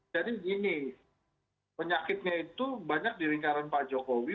jadi begini penyakitnya itu banyak di lingkaran pak jokowi